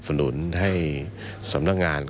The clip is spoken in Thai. สนับสนุนให้สำนักงาน